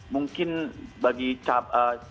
mungkin bagi cap